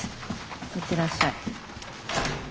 行ってらっしゃい。